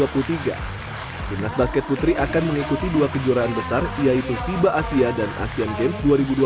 timnas basket putri akan mengikuti dua kejuaraan besar yaitu fiba asia dan asean games dua ribu dua puluh tiga